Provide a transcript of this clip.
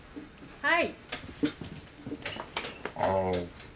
はい。